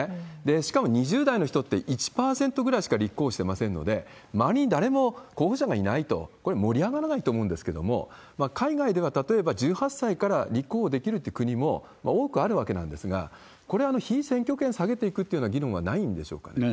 しかも２０代の人って１％ぐらいしか立候補してませんので、周りに誰も候補者がいないと、これ、盛り上がらないと思うんですけれども、海外では、例えば１８歳から立候補できるっていう国も多くあるわけなんですが、これ、被選挙権下げていくっていうのは議論はないんでしょうかね？